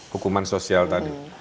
hukuman sosial tadi